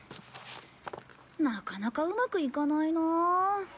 なかなかうまくいかないなあ。